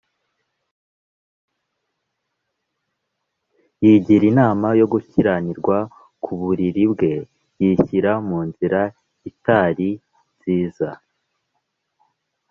Yigirira inama yo gukiranirwa ku buriri bwe, yishyira mu nzira itari nziza